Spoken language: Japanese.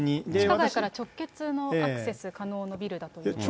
地下街から直結のアクセス可能のビルだということです。